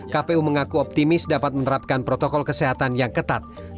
kpu mengaku optimis dapat menerapkan protokol kesehatan yang berhasil mencapai covid sembilan belas